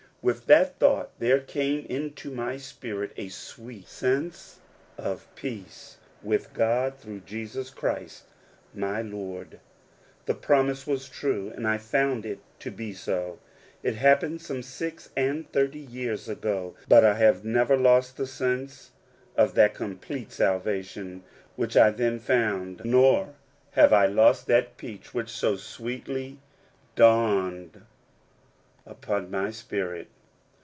With that thought the>^, came into my spirit a sweet sense of peace witr ^ God through Jesus Christ my Lord. The promis ^ was true, and I found it to be so. It happene( some six and thirty years ago, but I have nevei lost the sense of that complete salvation which I^ then found, nor have I lost that peace which so ^ sweetly dawned upon my spirit.